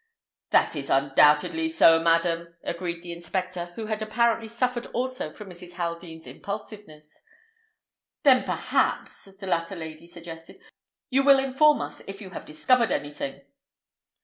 "That is undoubtedly so, madam," agreed the inspector, who had apparently suffered also from Mrs. Haldean's impulsiveness. "Then perhaps," the latter lady suggested, "you will inform us if you have discovered anything."